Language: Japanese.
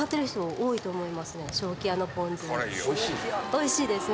おいしいですか？